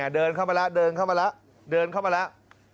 เดินเข้ามาแล้วเดินเข้ามาแล้ว